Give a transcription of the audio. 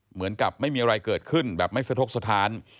เหมือนกับไม่มีอะไรเกิดขึ้นแบบไม่สะทกสถาน